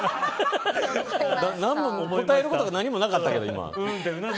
答えることが何もなかったけど、今。